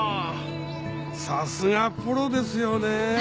さすがプロですよね！